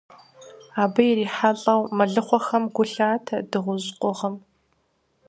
Абы ирихьэлӀэу, мэлыхъуэхэм гу лъатэ дыгъужь къугъым.